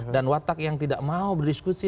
dan watak yang tidak mau berdiskusi